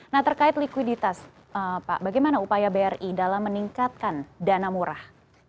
nah terkait likuiditas pak bagaimana upaya bri dalam meningkatkan dana murah